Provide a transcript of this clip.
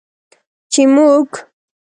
چې موږ